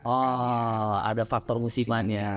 oh ada faktor musimannya